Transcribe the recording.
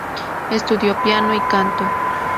Estudió piano y canto.